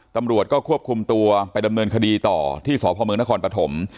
ตำรวจก็ควบคุมตัวไปดำเนินคดีต่อที่สพเมืองนครปฐม